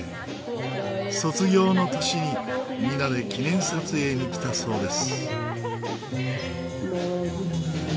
卒業の年に皆で記念撮影に来たそうです。